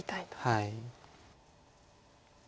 はい。